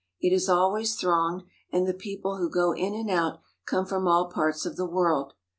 It is always thronged, and the people who go in and out come from all parts of the world.